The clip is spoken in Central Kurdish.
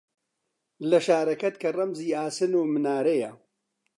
لە شارەکەت، کە ڕەمزی ئاسن و منارەیە